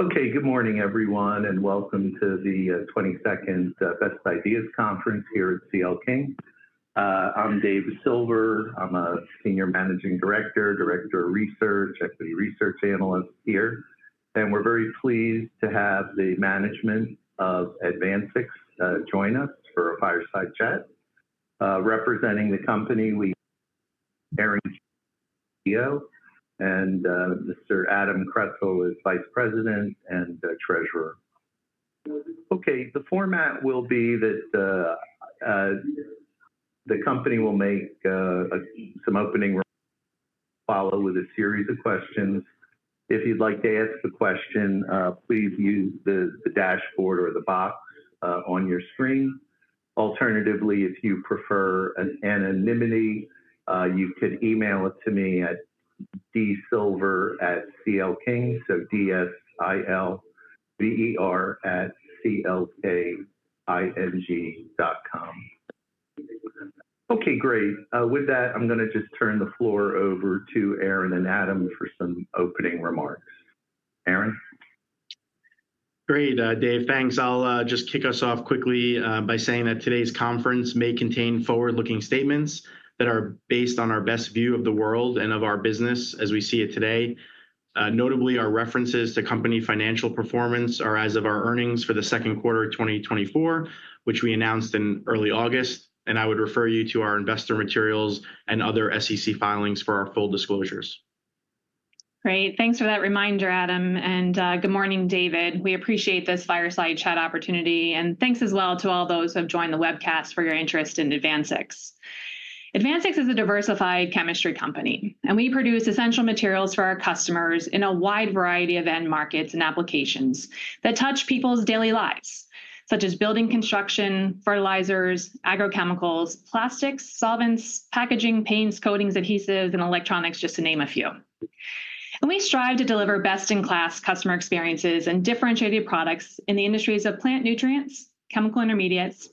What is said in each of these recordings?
Okay, good morning, everyone, and welcome to the twenty-second Best Ideas Conference here at CL King. I'm Dave Silver. I'm a senior managing director, director of research, equity research analyst here, and we're very pleased to have the management of AdvanSix join us for a fireside chat. Representing the company, we have Erin Kane, CEO, and Mr. Adam Kressel is vice president and treasurer. Okay, the format will be that the company will make some opening remarks, followed with a series of questions. If you'd like to ask a question, please use the dashboard or the box on your screen. Alternatively, if you prefer anonymity, you can email it to me at dsilver@clking, so D-S-I-L-V-E-R @C-L-K-I-N-G.com. Okay, great. With that, I'm gonna just turn the floor over to Erin and Adam for some opening remarks. Erin? Great, Dave. Thanks. I'll just kick us off quickly by saying that today's conference may contain forward-looking statements that are based on our best view of the world and of our business as we see it today. Notably, our references to company financial performance are as of our earnings for the second quarter of twenty twenty-four, which we announced in early August, and I would refer you to our investor materials and other SEC filings for our full disclosures. Great. Thanks for that reminder, Adam, and good morning, David. We appreciate this fireside chat opportunity, and thanks as well to all those who have joined the webcast for your interest in AdvanSix. AdvanSix is a diversified chemistry company, and we produce essential materials for our customers in a wide variety of end markets and applications that touch people's daily lives, such as building construction, fertilizers, agrochemicals, plastics, solvents, packaging, paints, coatings, adhesives, and electronics, just to name a few, and we strive to deliver best-in-class customer experiences and differentiated products in the industries of plant nutrients, chemical intermediates,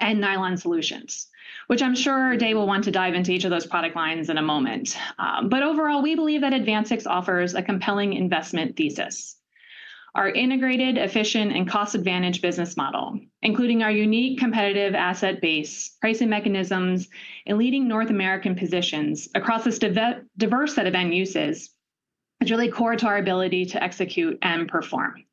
and nylon solutions, which I'm sure Dave will want to dive into each of those product lines in a moment, but overall, we believe that AdvanSix offers a compelling investment thesis. Our integrated, efficient, and cost-advantaged business model, including our unique competitive asset base, pricing mechanisms, and leading North American positions across this diverse set of end uses, is really core to our ability to execute and perform.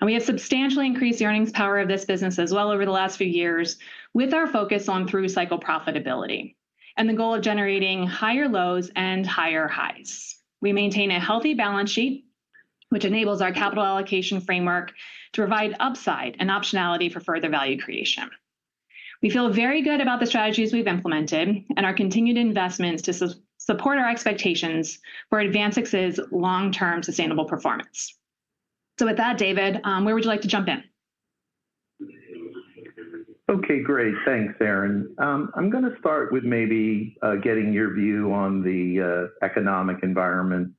And we have substantially increased the earnings power of this business as well over the last few years, with our focus on through-cycle profitability and the goal of generating higher lows and higher highs. We maintain a healthy balance sheet, which enables our capital allocation framework to provide upside and optionality for further value creation. We feel very good about the strategies we've implemented and our continued investments to support our expectations for AdvanSix's long-term sustainable performance. So with that, David, where would you like to jump in? Okay, great. Thanks, Erin. I'm gonna start with maybe getting your view on the economic environment.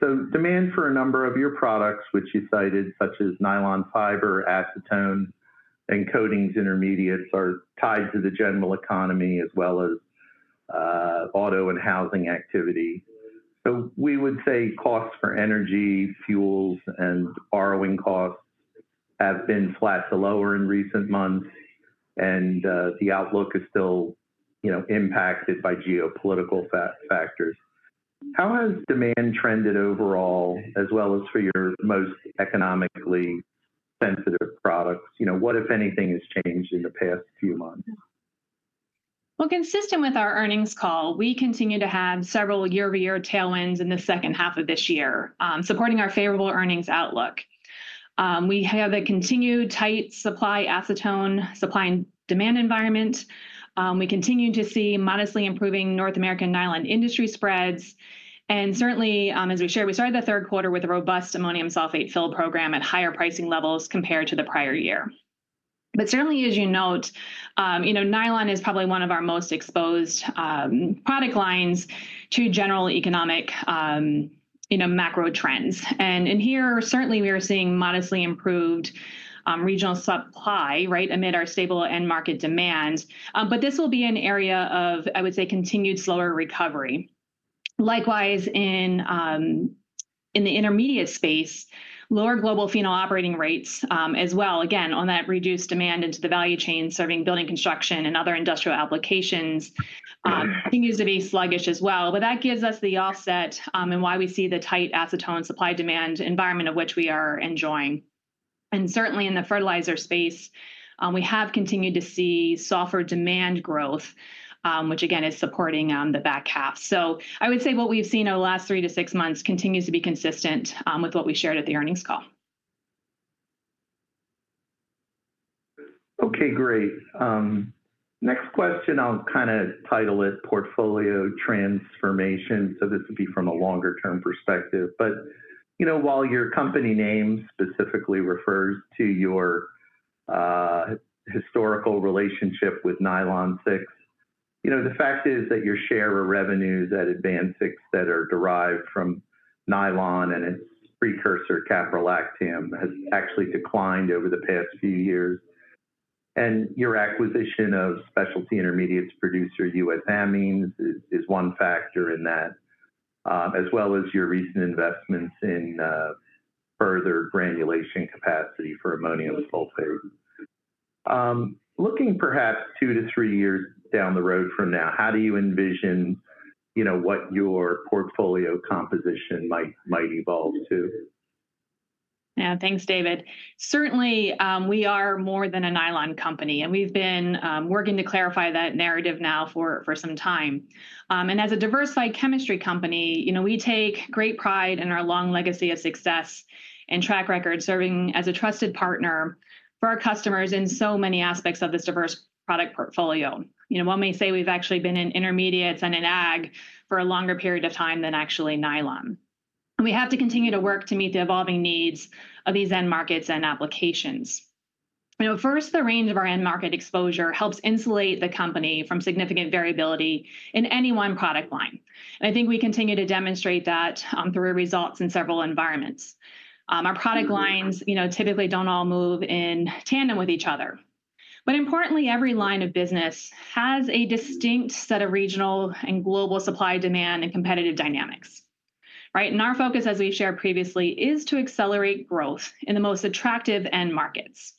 So demand for a number of your products, which you cited, such as nylon fiber, acetone, and coatings intermediates, are tied to the general economy as well as auto and housing activity. So we would say costs for energy, fuels, and borrowing costs have been flat to lower in recent months, and the outlook is still, you know, impacted by geopolitical factors. How has demand trended overall, as well as for your most economically sensitive products? You know, what, if anything, has changed in the past few months? Consistent with our earnings call, we continue to have several year-over-year tailwinds in the second half of this year, supporting our favorable earnings outlook. We have a continued tight acetone supply and demand environment. We continue to see modestly improving North American nylon industry spreads, and certainly, as we shared, we started the third quarter with a robust ammonium sulfate fill program at higher pricing levels compared to the prior year. But certainly, as you note, you know, nylon is probably one of our most exposed product lines to general economic, you know, macro trends. And in here, certainly, we are seeing modestly improved regional supply, right, amid our stable end-market demands. But this will be an area of, I would say, continued slower recovery. Likewise, in the intermediate space, lower global phenol operating rates, as well, again, on that reduced demand into the value chain serving building, construction, and other industrial applications, continues to be sluggish as well. But that gives us the offset, and why we see the tight acetone supply-demand environment of which we are enjoying. And certainly, in the fertilizer space, we have continued to see sulfur demand growth, which again, is supporting the back half. So I would say what we've seen over the last three to six months continues to be consistent, with what we shared at the earnings call. Okay, great. Next question, I'll kind of title it Portfolio Transformation, so this will be from a longer-term perspective. But, you know, while your company name specifically refers to your historical relationship with Nylon 6, you know, the fact is that your share of revenues at AdvanSix that are derived from nylon and its precursor, caprolactam, has actually declined over the past few years, and your acquisition of specialty intermediates producer, U.S. Amines, is one factor in that, as well as your recent investments in further granulation capacity for ammonium sulfate. Looking perhaps two to three years down the road from now, how do you envision, you know, what your portfolio composition might evolve to? Thanks, David. Certainly, we are more than a nylon company, and we've been working to clarify that narrative now for some time, and as a diversified chemistry company, you know, we take great pride in our long legacy of success and track record, serving as a trusted partner for our customers in so many aspects of this diverse product portfolio. You know, one may say we've actually been in intermediates and in ag for a longer period of time than actually nylon. We have to continue to work to meet the evolving needs of these end markets and applications. You know, first, the range of our end market exposure helps insulate the company from significant variability in any one product line, and I think we continue to demonstrate that through results in several environments. Our product lines, you know, typically don't all move in tandem with each other, but importantly, every line of business has a distinct set of regional and global supply demand and competitive dynamics, right? Our focus, as we've shared previously, is to accelerate growth in the most attractive end markets.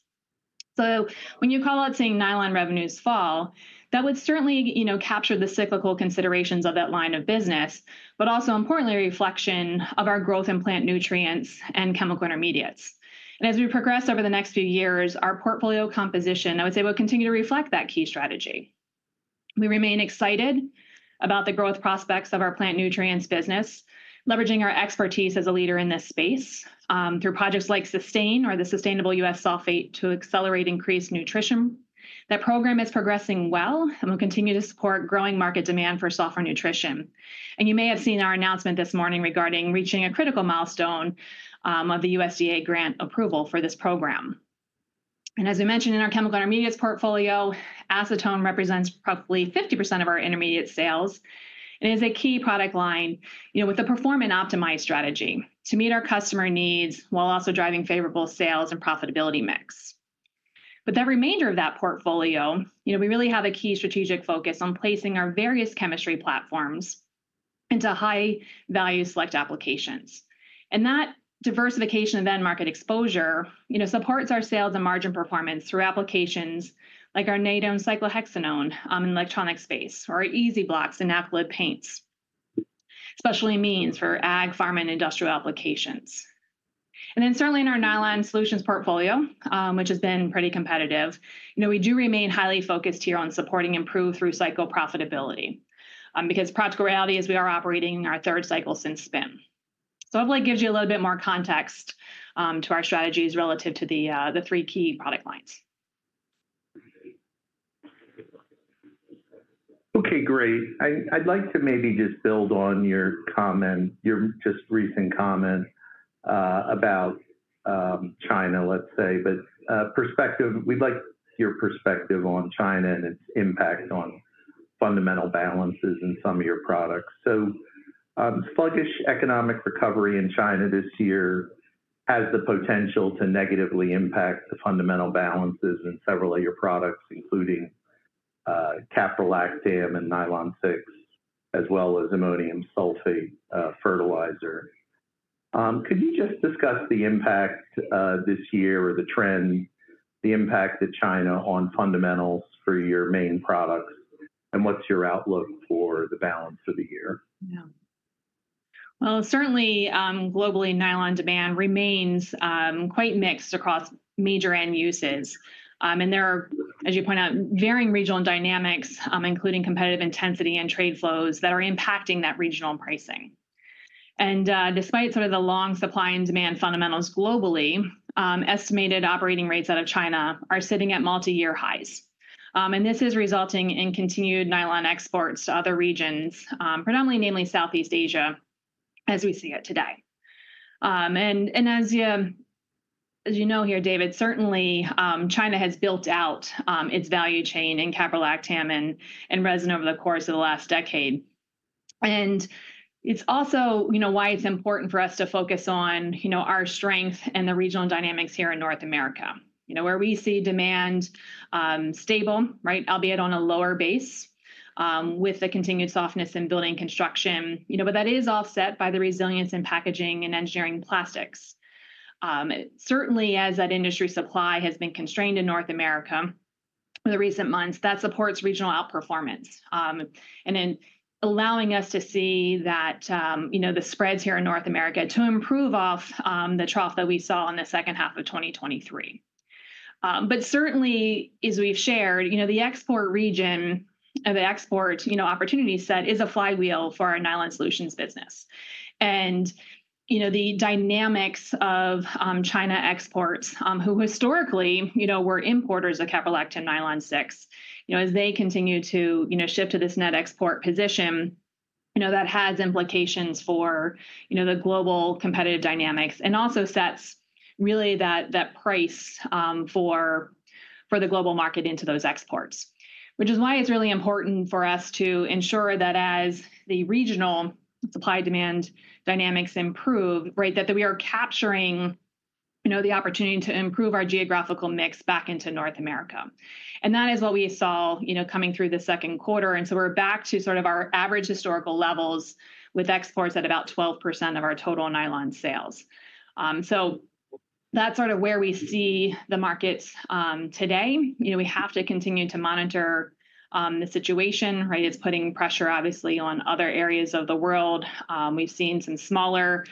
When you call out saying nylon revenues fall, that would certainly, you know, capture the cyclical considerations of that line of business, but also importantly, a reflection of our growth in plant nutrients and chemical intermediates. As we progress over the next few years, our portfolio composition, I would say, will continue to reflect that key strategy. We remain excited about the growth prospects of our plant nutrients business, leveraging our expertise as a leader in this space, through projects likeSUSTAIN or the sustainable U.S. Sulfate to accelerate increased nutrition. That program is progressing well and will continue to support growing market demand for sulfur nutrition. And you may have seen our announcement this morning regarding reaching a critical milestone of the USDA grant approval for this program. And as I mentioned in our chemical intermediates portfolio, acetone represents roughly 50% of our intermediate sales and is a key product line with a perform and optimize strategy to meet our customer needs, while also driving favorable sales and profitability mix. But the remainder of that portfolio, we really have a key strategic focus on placing our various chemistry platforms into high-value select applications. And that diversification of end market exposure, supports our sales and margin performance through applications like our Nadone cyclohexanone in the electronic space, or EZ-Blox in acrylic paints, especially means for ag, farm, and industrial applications. Certainly in our nylon solutions portfolio, which has been pretty competitive, we do remain highly focused here on supporting improved through-cycle profitability, because practical reality is we are operating in our third cycle since spin. Hopefully gives you a little bit more context to our strategies relative to the three key product lines. Great. I'd like to maybe just build on your comment, your just recent comment about China. We'd like your perspective on China and its impact on fundamental balances in some of your products. So, sluggish economic recovery in China this year has the potential to negatively impact the fundamental balances in several of your products, including caprolactam and nylon six, as well as ammonium sulfate fertilizer. Could you just discuss the impact this year or the trend, the impact of China on fundamentals for your main products, and what's your outlook for the balance of the year? Yeah. Well, certainly, globally, nylon demand remains quite mixed across major end uses. And there are, as you point out, varying regional dynamics, including competitive intensity and trade flows that are impacting that regional pricing. And, despite some of the long supply and demand fundamentals globally, estimated operating rates out of China are sitting at multiyear highs. And this is resulting in continued nylon exports to other regions, predominantly namely Southeast Asia, as we see it today. And, as you know here, David, certainly, China has built out its value chain in caprolactam and resin over the course of the last decade. And it's why it's important for us to focus on, our strength and the regional dynamics here in North America, where we see demand stable, right? Albeit on a lower base with the continued softness in building construction, but that is offset by the resilience in packaging and engineering plastics. Certainly as that industry supply has been constrained in North America in the recent months, that supports regional outperformance and in allowing us to see that the spreads here in North America to improve off the trough that we saw in the second half of 2023. But certainly, as we've shared, the export region or the export opportunity set is a flywheel for our nylon solutions business. The dynamics of China exports, who historically, were importers of caprolactam Nylon 6, as they continue to shift to this net export position that has implications for the global competitive dynamics and also sets really that price for the global market into those exports. Which is why it's really important for us to ensure that as the regional supply-demand dynamics improve, right, that we are capturing the opportunity to improve our geographical mix back into North America. And that is what we saw coming through the second quarter, and so we're back to sort of our average historical levels with exports at about 12% of our total Nylon sales. So that's sort of where we see the markets today. We have to continue to monitor the situation, right? It's putting pressure, obviously, on other areas of the world. We've seen some smaller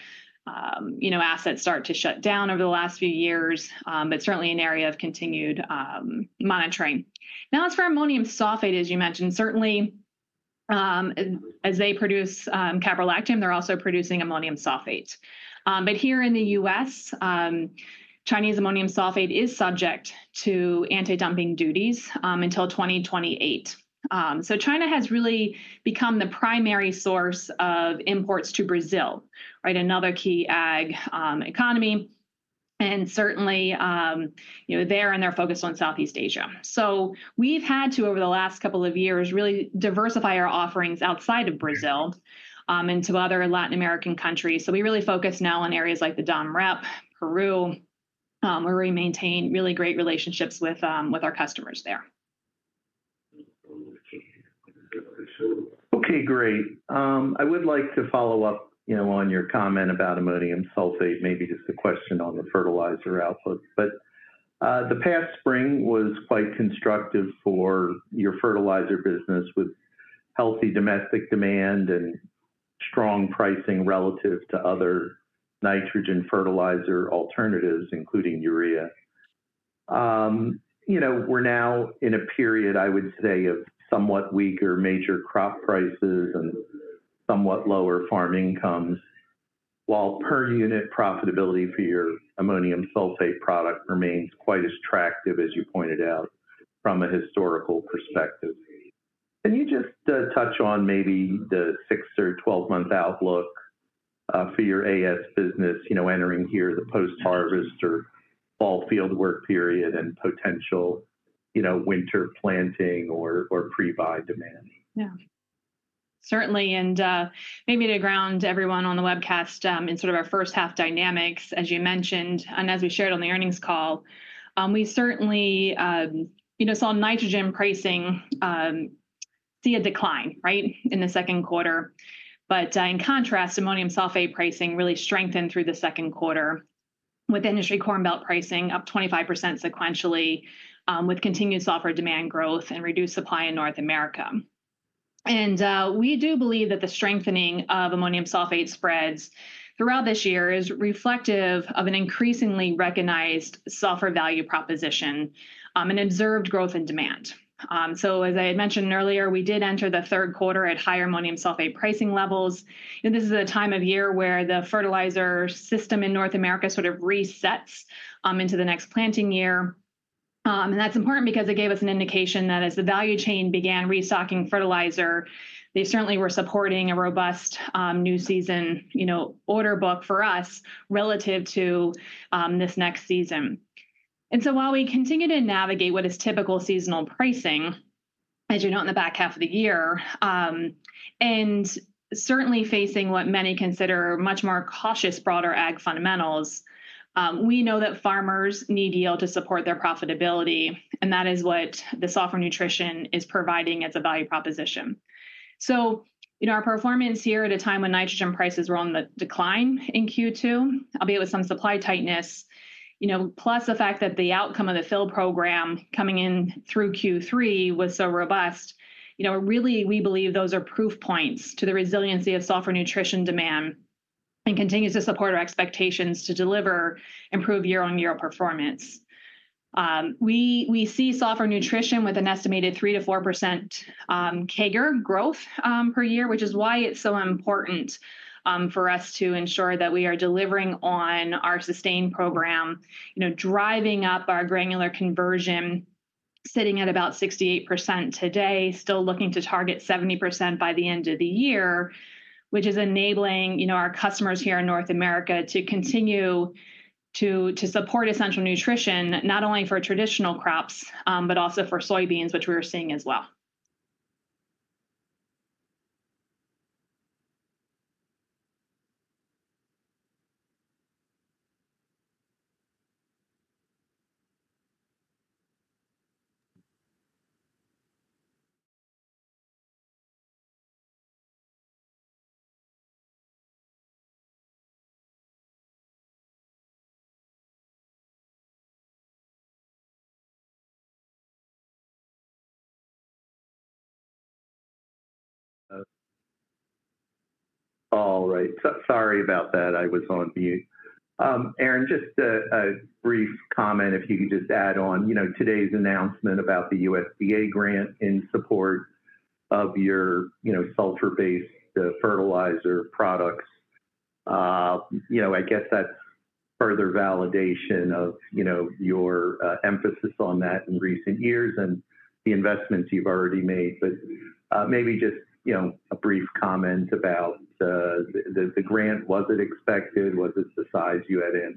assets start to shut down over the last few years, but certainly an area of continued monitoring. Now, as for ammonium sulfate, as you mentioned, certainly, as they produce caprolactam, they're also producing ammonium sulfate. But here in the U.S., Chinese ammonium sulfate is subject to anti-dumping duties until twenty twenty-eight. So China has really become the primary source of imports to Brazil, right? Another key ag economy, and certainly there and they're focused on Southeast Asia. So we've had to, over the last couple of years, really diversify our offerings outside of Brazil into other Latin American countries. We really focus now on areas like the Dom Rep, Peru, where we maintain really great relationships with our customers there. Okay, great. I would like to follow up on your comment about ammonium sulfate, maybe just a question on the fertilizer outlook. But the past spring was quite constructive for your fertilizer business, with healthy domestic demand and strong pricing relative to other nitrogen fertilizer alternatives, including urea. We're now in a period, I would say, of somewhat weaker major crop prices and somewhat lower farm incomes, while per-unit profitability for your ammonium sulfate product remains quite as attractive as you pointed out from a historical perspective. Can you just touch on maybe the six or twelve-month outlook for your AS business entering here, the post-harvest or fall field work period and potential, winter planting or pre-buy demand? Certainly, and maybe to ground everyone on the webcast, in sort of our first half dynamics, as you mentioned, and as we shared on the earnings call, we certainly saw nitrogen pricing see a decline, right, in the second quarter, but in contrast, ammonium sulfate pricing really strengthened through the second quarter, with industry Corn Belt pricing up 25% sequentially, with continued sulfur demand growth and reduced supply in North America, and we do believe that the strengthening of ammonium sulfate spreads throughout this year is reflective of an increasingly recognized sulfur value proposition, and observed growth in demand. As I had mentioned earlier, we did enter the third quarter at higher ammonium sulfate pricing levels, and this is a time of year where the fertilizer system in North America sort of resets into the next planting year. And that's important because it gave us an indication that as the value chain began restocking fertilizer, they certainly were supporting a robust new season, order book for us relative to this next season. And so while we continue to navigate what is typical seasonal pricing, as you know, in the back half of the year and certainly facing what many consider much more cautious, broader ag fundamentals, we know that farmers need yield to support their profitability, and that is what the sulfur nutrition is providing as a value proposition. Our performance here at a time when nitrogen prices were on the decline in Q2, albeit with some supply tightness, plus the fact that the outcome of the fill program coming in through Q3 was so robust, really, we believe those are proof points to the resiliency of sulfur nutrition demand and continues to support our expectations to deliver improved year-on-year performance. We see sulfur nutrition with an estimated 3-4% CAGR growth per year, which is why it's so important for us to ensure that we are delivering on our SUSTAIN program. Driving up our granular conversion, sitting at about 68% today, still looking to target 70% by the end of the year, which is enabling our customers here in North America to continue to support essential nutrition, not only for traditional crops, but also for soybeans, which we are seeing as well. All right, so sorry about that. I was on mute. Erin, just a brief comment, if you could just add on today's announcement about the USDA grant in support of your sulfur-based fertilizer products. That's further validation of your emphasis on that in recent years and the investments you've already made. A brief comment about the grant. Was it expected? Was it the size you had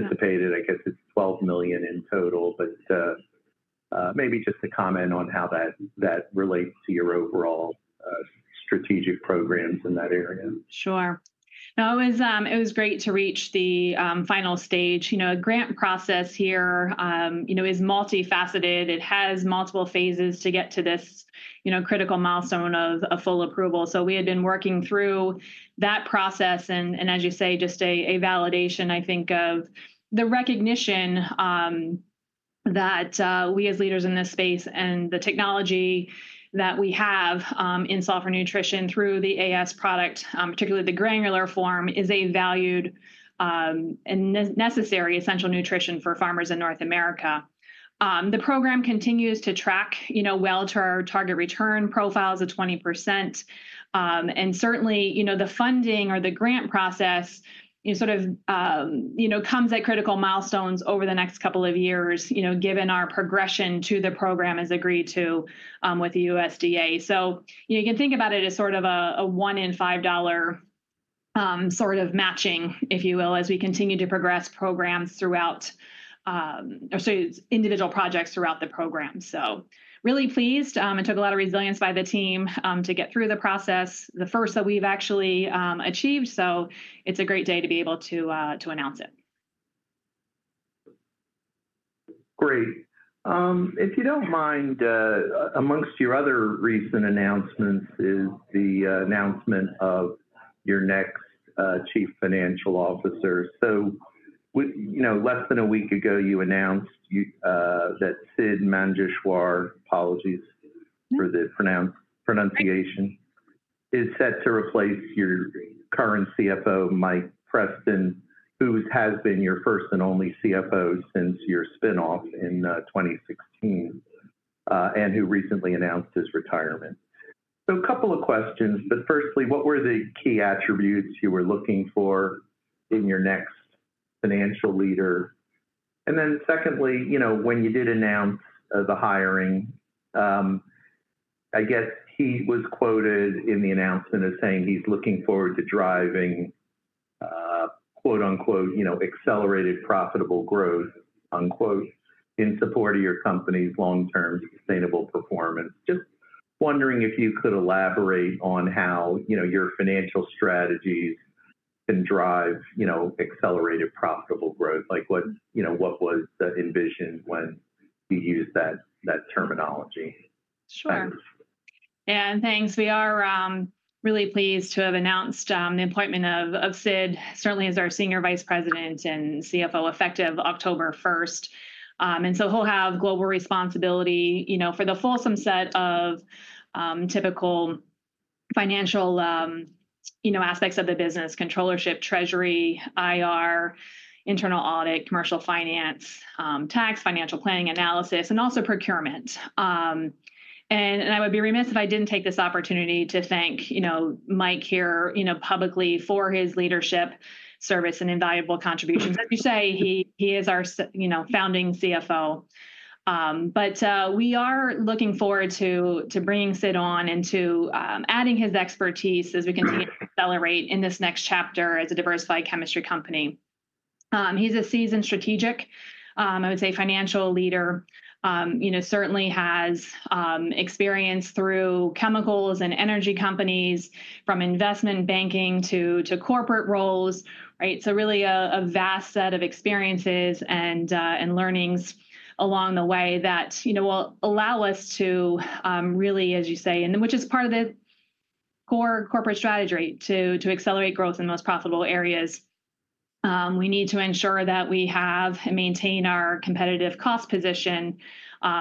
anticipated? I guess it's $12 million in total, but maybe just a comment on how that relates to your overall strategic programs in that area. Sure. It was, it was great to reach the, final stage, grant process here is multifaceted. It has multiple phases to get to this critical milestone of a full approval. So we had been working through that process and, and as you say, just a, a validation, I think, of the recognition, that, we as leaders in this space and the technology that we have, in sulfur nutrition through the AS product, particularly the granular form, is a valued, and necessary essential nutrition for farmers in North America. The program continues to track, well to our target return profiles of 20%. Certainly, the funding or the grant process, you sort of comes at critical milestones over the next couple of years given our progression to the program as agreed to, with the USDA. So you can think about it as sort of a one in five dollar sort of matching, if you will, as we continue to progress programs throughout, or sorry, individual projects throughout the program. So really pleased, it took a lot of resilience by the team, to get through the process, the first that we've actually achieved, so it's a great day to be able to, to announce it. Great. If you don't mind, amongst your other recent announcements is the announcement of your next Chief Financial Officer. Less than a week ago, you announced that Sidd Manjeshwar, apologies for the pronunciation is set to replace your current CFO, Mike Preston, who has been your first and only CFO since your spinoff in 2016, and who recently announced his retirement. So a couple of questions, but firstly, what were the key attributes you were looking for in your next financial leader? Secondly, when you did announce the hiring, I guess he was quoted in the announcement as saying he's looking forward to driving quote, unquote, "you know, accelerated profitable growth," unquote, in support of your company's long-term sustainable performance. Just wondering if you could elaborate on how your financial strategies can drive, accelerated profitable growth. Like, what was the envision when you used that, that terminology? Sure. Thanks. We are really pleased to have announced the appointment of Sidd, certainly as our Senior Vice President and CFO, effective October first. And so he'll have global responsibility for the fulsome set of typical financial aspects of the business, controllership, treasury, IR, internal audit, commercial finance, tax, financial planning analysis, and also procurement. And I would be remiss if I didn't take this opportunity to thank Mike here publicly for his leadership, service, and invaluable contributions. As you say, he is our founding CFO. But we are looking forward to bringing Sidd on and to adding his expertise as we continue to accelerate in this next chapter as a diversified chemistry company. He's a seasoned strategic, I would say, financial leader. Certainly has experience through chemicals and energy companies from investment banking to corporate roles, right? So really a vast set of experiences and learnings along the way that will allow us to really, as you say, and which is part of the core corporate strategy to accelerate growth in the most profitable areas. We need to ensure that we have and maintain our competitive cost position.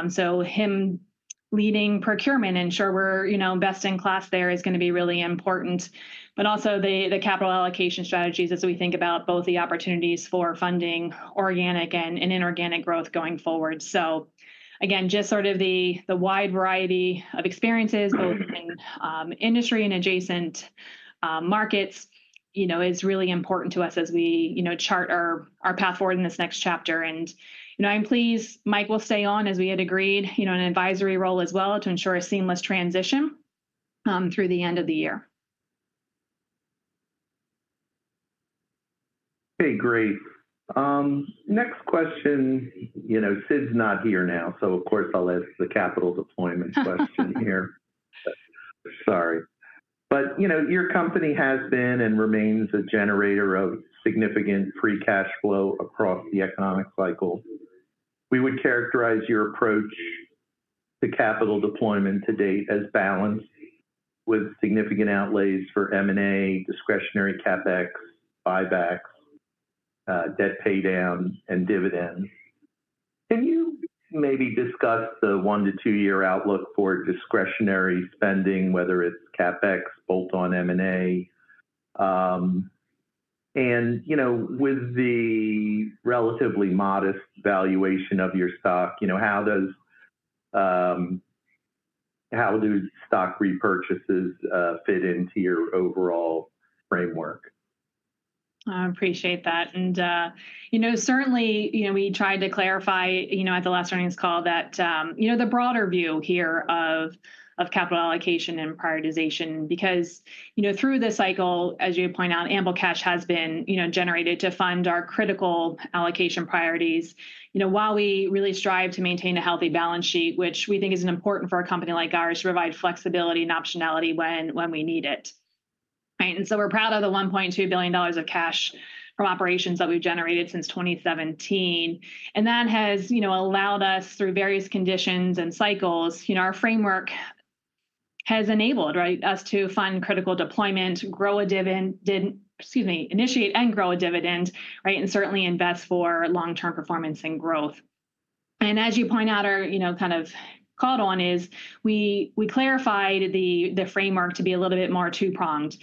So him leading procurement, ensure we're best in class there, is gonna be really important. The capital allocation strategies as we think about both the opportunities for funding organic and inorganic growth going forward. Again, just sort of the wide variety of experiences both in industry and adjacent markets is really important to us as we chart our path forward in this next chapter. I'm pleased Mike will stay on, as we had agreed an advisory role as well, to ensure a seamless transition through the end of the year. Okay, great. Next question. Sidd's not here now, so of course I'll ask the capital deployment question here. Sorry, but your company has been and remains a generator of significant free cash flow across the economic cycle. We would characterize your approach to capital deployment to date as balanced, with significant outlays for M&A, discretionary CapEx, buybacks, debt paydowns, and dividends. Can you maybe discuss the one to two-year outlook for discretionary spending, whether it's CapEx, bolt-on M&A, and with the relatively modest valuation of your stock, how do stock repurchases fit into your overall framework? I appreciate that, and certainly, we tried to clarify at the last earnings call that the broader view here of capital allocation and prioritization, because through the cycle, as you point out, ample cash has been generated to fund our critical allocation priorities. While we really strive to maintain a healthy balance sheet, which we think is important for a company like ours to provide flexibility and optionality when we need it, right? We're proud of the $1.2 billion of cash from operations that we've generated since 2017, and that has allowed us, through various conditions and cycles, our framework has enabled, right, us to fund critical deployment, initiate and grow a dividend, right? Certainly invest for long-term performance and growth. As you point out, kind of called on, is we clarified the framework to be a little bit more two-pronged.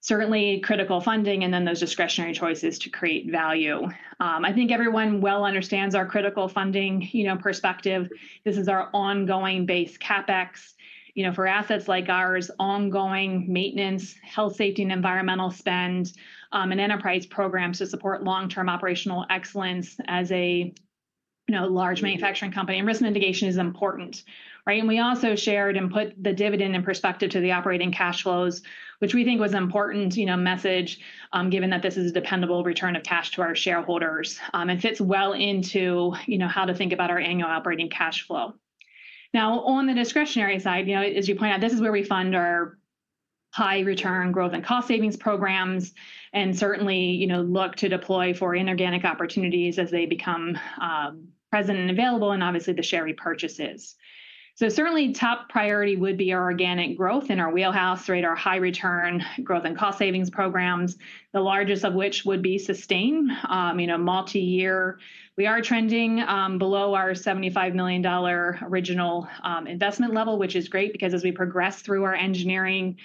Certainly, critical funding and then those discretionary choices to create value. I think everyone well understands our critical funding perspective. This is our ongoing base CapEx. For assets like ours, ongoing maintenance, health, safety, and environmental spend, and enterprise programs to support long-term operational excellence as a large manufacturing company, and risk mitigation is important, right? We also shared and put the dividend in perspective to the operating cash flows, which we think was an important message, given that this is a dependable return of cash to our shareholders. It fits well into how to think about our annual operating cash flow. Now, on the discretionary side as you point out, this is where we fund our high return growth and cost savings programs, and certainly look to deploy for inorganic opportunities as they become, present and available, and obviously the share repurchases. So certainly, top priority would be our organic growth in our wheelhouse, right, our high return growth and cost savings programs, the largest of which would be SUSTAIN. Multiyear. We are trending below our $75 million original investment level, which is great, because as we progress through our engineering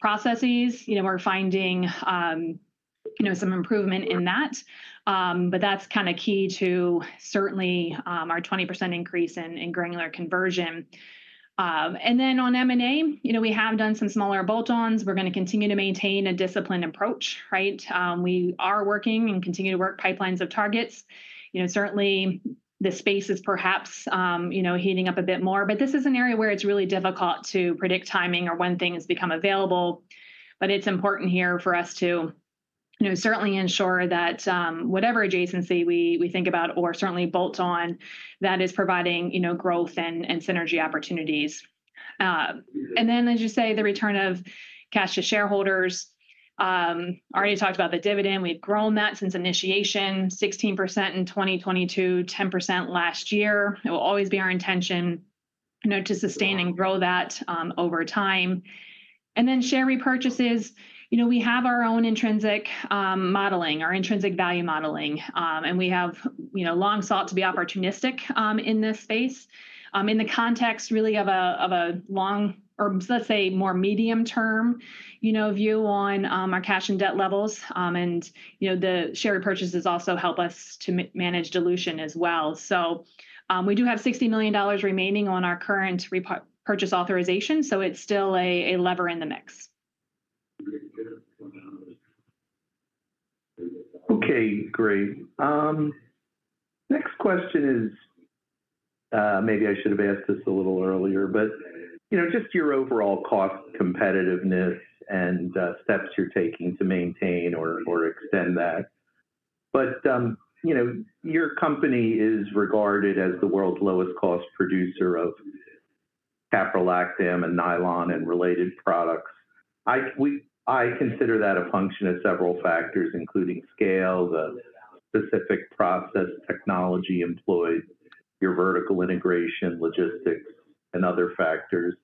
processes, we're finding some improvement in that. But that's kinda key to certainly our 20% increase in granular conversion. On M&A, you know, we have done some smaller bolt-ons. We're gonna continue to maintain a disciplined approach, right? We are working and continue to work pipelines of targets. You know, certainly the space is perhaps, you know, heating up a bit more, but this is an area where it's really difficult to predict timing or when things become available. But it's important here for us to, you know, certainly ensure that whatever adjacency we think about or certainly bolt on, that is providing, you know, growth and synergy opportunities. And then, as you say, the return of cash to shareholders, I already talked about the dividend. We've grown that since initiation, 16% in 2020 to 10% last year. It will always be our intention, you know, to sustain and grow that over time. Share repurchases, you know, we have our own intrinsic modeling, our intrinsic value modeling. We have, you know, long sought to be opportunistic in this space, in the context really of a long, or let's say more medium term, you know, view on our cash and debt levels. You know, the share repurchases also help us to manage dilution as well. So, we do have $60 million remaining on our current repurchase authorization, so it's still a lever in the mix. Next question is, maybe I should have asked this a little earlier, but, you know, just your overall cost, competitiveness, and steps you're taking to maintain or extend that. But, you know, your company is regarded as the world's lowest cost producer of caprolactam and nylon and related products. I consider that a function of several factors, including scale, the specific process, technology employed, your vertical integration, logistics, and other factors.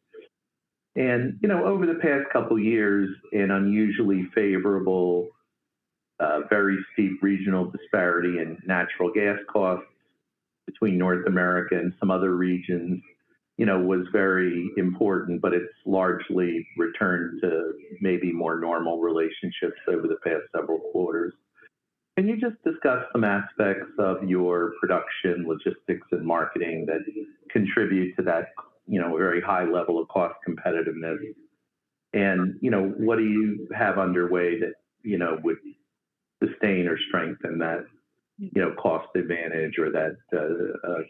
And, you know, over the past couple of years, an unusually favorable, very steep regional disparity in natural gas costs between North America and some other regions, you know, was very important, but it's largely returned to maybe more normal relationships over the past several quarters. Can you just discuss some aspects of your production, logistics, and marketing that contribute to that, you know, very high level of cost competitiveness? And, you know, what do you have underway that, you know, would sustain or strengthen that, you know, cost advantage or that,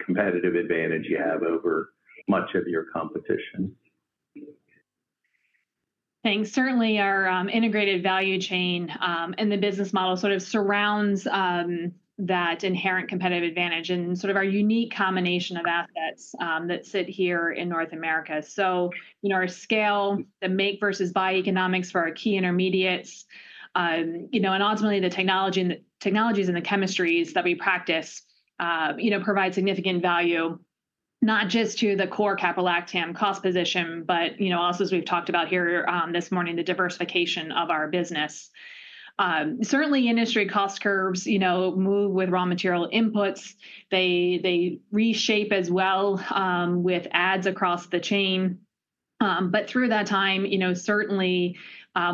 competitive advantage you have over much of your competition? Thanks. Certainly, our integrated value chain and the business model sort of surrounds that inherent competitive advantage and sort of our unique combination of assets that sit here in North America. So, you know, our scale, the make versus buy economics for our key intermediates, you know, and ultimately, the technologies and the chemistries that we practice, you know, provide significant value, not just to the core caprolactam cost position, but, you know, also, as we've talked about here, this morning, the diversification of our business. Certainly, industry cost curves, you know, move with raw material inputs. They, they reshape as well, with adds across the chain. But through that time, you know, certainly,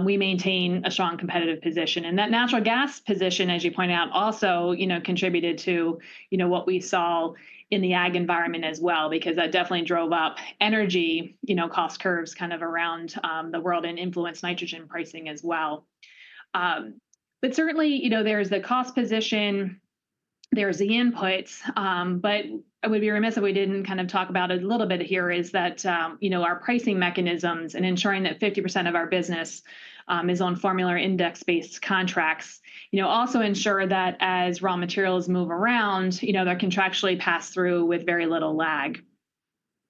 we maintain a strong competitive position. That natural gas position, as you pointed out, also, you know, contributed to, you know, what we saw in the ag environment as well, because that definitely drove up energy, you know, cost curves kind of around the world and influenced nitrogen pricing as well. But certainly, you know, there's the cost position, there's the inputs, but we'd be remiss if we didn't kind of talk about it a little bit here is that, you know, our pricing mechanisms and ensuring that 50% of our business is on formula or index-based contracts, you know, also ensure that as raw materials move around, you know, they're contractually passed through with very little lag....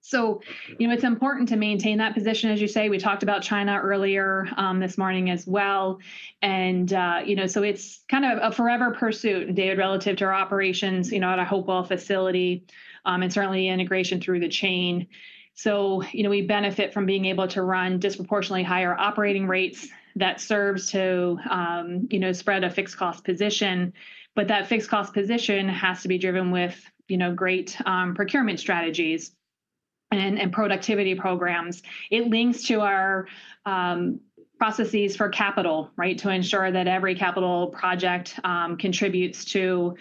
So, you know, it's important to maintain that position, as you say. We talked about China earlier, this morning as well, and, you know, so it's kind of a forever pursuit, David, relative to our operations, you know, at a Hopewell facility, and certainly integration through the chain. So, you know, we benefit from being able to run disproportionately higher operating rates that serves to, you know, spread a fixed cost position. But that fixed cost position has to be driven with, you know, great procurement strategies and productivity programs. It links to our processes for capital, right? To ensure that every capital project contributes to,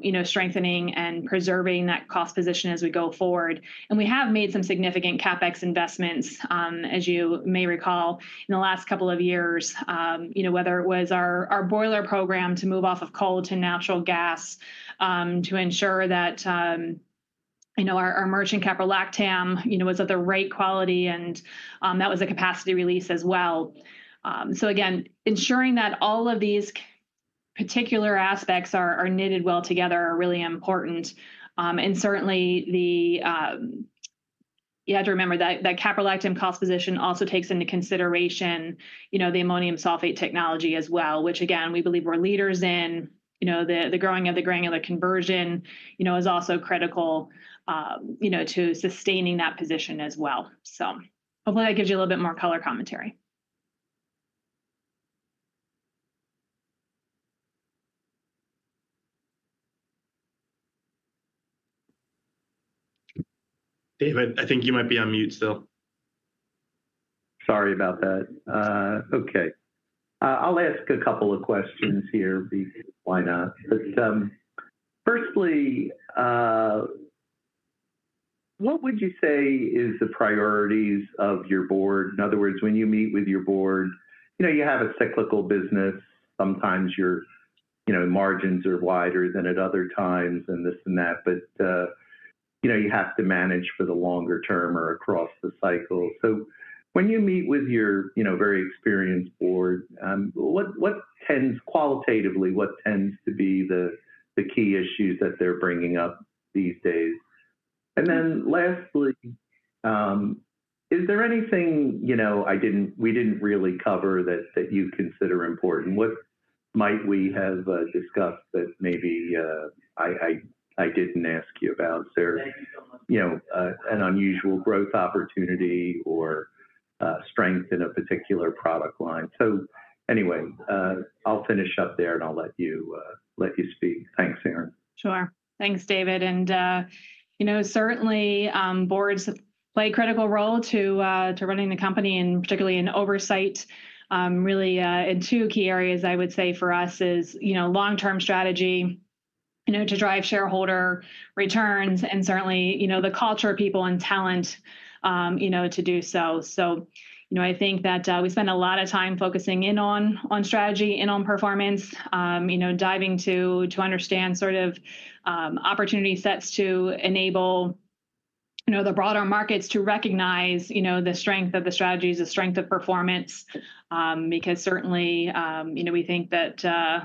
you know, strengthening and preserving that cost position as we go forward. And we have made some significant CapEx investments, as you may recall, in the last couple of years. Whether it was our boiler program to move off of coal to natural gas to ensure that you know, our merchant caprolactam you know, was at the right quality, and that was a capacity release as well. So again, ensuring that all of these particular aspects are knitted well together are really important. You have to remember that caprolactam cost position also takes into consideration you know, the ammonium sulfate technology as well, which again, we believe we're leaders in. You know, the growing of the granular conversion you know, is also critical you know, to sustaining that position as well. So hopefully that gives you a little bit more color commentary. David, I think you might be on mute still. Sorry about that. Okay, I'll ask a couple of questions here, because why not? But firstly, what would you say is the priorities of your board? In other words, when you meet with your board, you know, you have a cyclical business, sometimes your, you know, margins are wider than at other times, and this and that, but you know, you have to manage for the longer term or across the cycle. So when you meet with your, you know, very experienced board, what tends, qualitatively, to be the key issues that they're bringing up these days? And then lastly, is there anything, you know, I didn't, we didn't really cover that you consider important? What might we have discussed that maybe I didn't ask you about? Is there, you know, an unusual growth opportunity or, strength in a particular product line? So anyway, I'll finish up there, and I'll let you speak. Thanks, Erin. Sure. Thanks, David, and, you know, certainly, boards play a critical role to, to running the company, and particularly in oversight. Really, in two key areas, I would say for us is, you know, long-term strategy, you know, to drive shareholder returns, and certainly, you know, the culture, people, and talent, you know, to do so. So, you know, I think that, we spend a lot of time focusing in on, on strategy, in on performance, you know, diving to, to understand sort of, opportunity sets to enable, you know, the broader markets to recognize, you know, the strength of the strategies, the strength of performance. Because certainly, you know, we think that,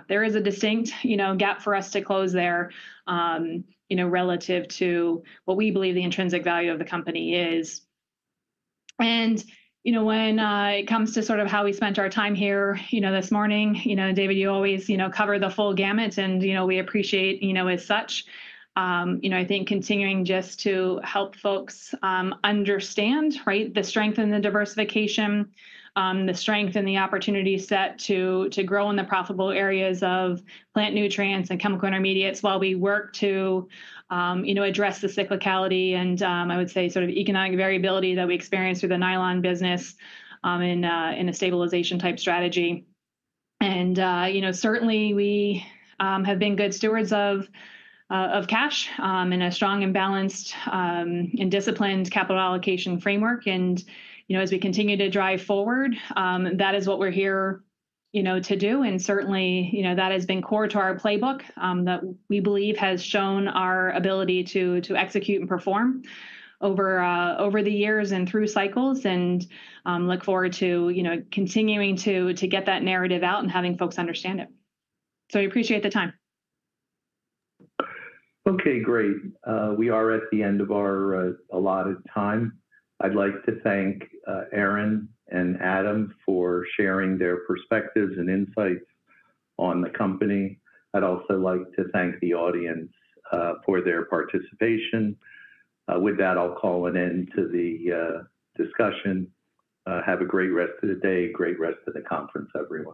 there is a distinct, you know, gap for us to close there, you know, relative to what we believe the intrinsic value of the company is. And, you know, when, it comes to sort of how we spent our time here, you know, this morning, you know, David, you always, you know, cover the full gamut and, you know, we appreciate, you know, as such. You know, I think continuing just to help folks, understand, right? The strength and the diversification, the strength and the opportunity set to grow in the profitable areas of plant nutrients and chemical intermediates while we work to, you know, address the cyclicality and, I would say, sort of economic variability that we experience through the nylon business, in a stabilization type strategy. Certainly we have been good stewards of cash in a strong and balanced and disciplined capital allocation framework. And, you know, as we continue to drive forward, that is what we're here, you know, to do. And certainly, you know, that has been core to our playbook that we believe has shown our ability to execute and perform over the years and through cycles, and look forward to, you know, continuing to get that narrative out and having folks understand it. So I appreciate the time. Okay, great. We are at the end of our allotted time. I'd like to thank Erin and Adam for sharing their perspectives and insights on the company. I'd also like to thank the audience for their participation. With that, I'll call an end to the discussion. Have a great rest of the day, great rest of the conference, everyone.